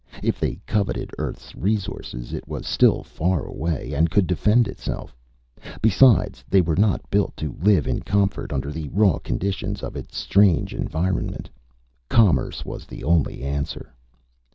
If they coveted Earth's resources, it was still far away, and could defend itself. Besides, they were not built to live in comfort under the raw conditions of its strange environment. Commerce was the only answer.